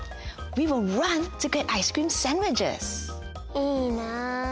いいなあ。